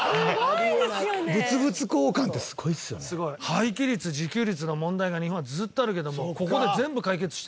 廃棄率自給率の問題が日本はずっとあるけどもここで全部解決してる。